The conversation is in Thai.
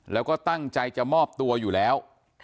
แล้วก็ตั้งใจจะมอบตัวอยู่แล้ว